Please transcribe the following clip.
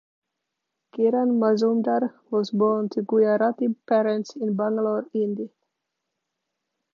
Kiran Mazumdar was born to Gujarati parents in Bangalore, India.